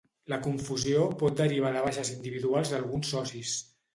La confusió pot derivar de baixes individuals d'alguns socis.